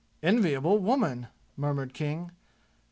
"Enviable woman!" murmured King.